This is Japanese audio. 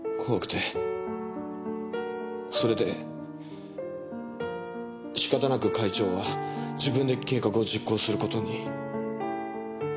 それで仕方なく会長は自分で計画を実行する事に。